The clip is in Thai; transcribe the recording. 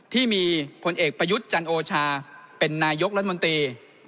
ที่มีผลเอกประยุทธ์จันโอชาเป็นนายกรัฐมนตรี